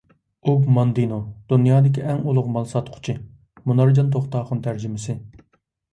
ئوگ ماندىنو: «دۇنيادىكى ئەڭ ئۇلۇغ مال ساتقۇچى»، مۇنارجان توختاخۇن تەرجىمىسى